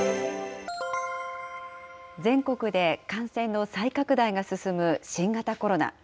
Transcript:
全国で感染の再拡大が進む新型コロナ。